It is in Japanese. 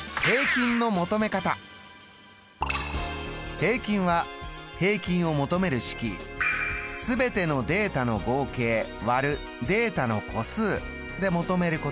平均は平均を求める式全てのデータの合計÷データの個数で求めることができます。